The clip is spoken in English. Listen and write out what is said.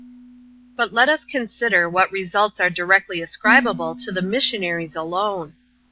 But let us consider what results are directly ascribable to the ipissionaries alone.